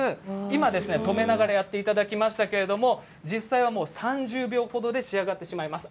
今、止めながらやっていただきましたけれど実際は３０秒ほどで仕上がってしまいます。